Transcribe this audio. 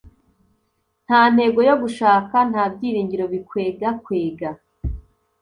nta ntego yo gushaka! nta byiringiro bikwegakwega